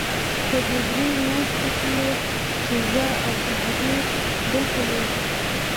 په دې درېو مياشتو کښې چې زه او عبدالهادي دلته يو.